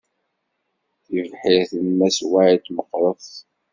Tibḥirt n Mass White meɣɣret.